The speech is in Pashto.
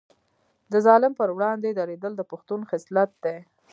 د ظالم پر وړاندې دریدل د پښتون خصلت دی.